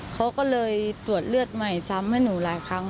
เขาก็เลยตรวจเลือดใหม่ซ้ำให้หนูหลายครั้ง